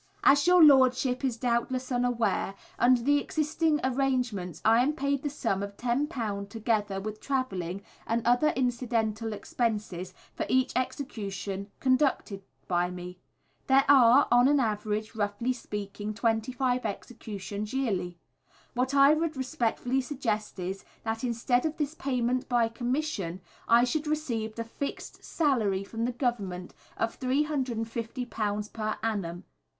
As your Lordship is doubtless aware, under the existing arrangements I am paid the sum of £10 together with travelling and other incidental expenses for each Execution conducted by me. There are, on an average, roughly speaking, 25 Executions yearly. What I would respectfully suggest is, that, instead of this payment by Commission, I should receive a fixed salary from the Government of £350 per annum.